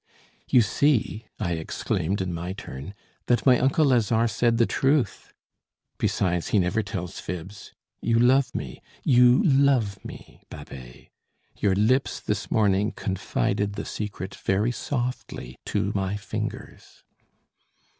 "You see," I exclaimed in my turn, "that my uncle Lazare said the truth. Besides, he never tells fibs. You love me, you love me, Babet! Your lips this morning confided the secret very softly to my fingers."